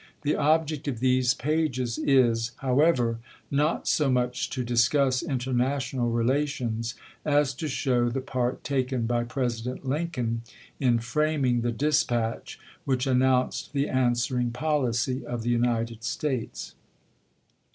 The object of these pages is, however, not so much to discuss international relations as to show the part taken by Pi'esident Lincoln in framing the dispatch which announced the answering policy of the United States.